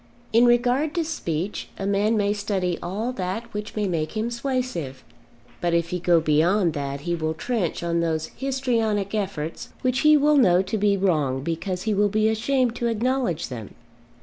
In regard to speech a man may study all that which may make him suasive, but if he go beyond that he will trench on those histrionic efforts which he will know to be wrong because he will be ashamed to acknowledge them.